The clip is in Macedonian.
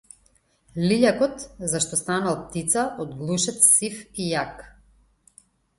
Лилјакот зашто станал птица од глушец сив и јак.